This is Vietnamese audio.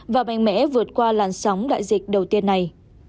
và mạnh mẽ vượt qua làn sóng đại dịch đầu tiên này